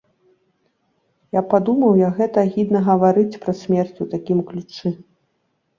Я падумаў, як гэта агідна гаварыць пра смерць у такім ключы.